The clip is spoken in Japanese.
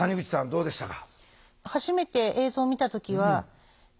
どうでしたか？